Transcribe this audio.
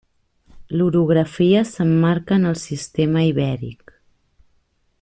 L'orografia s'emmarca en el Sistema Ibèric.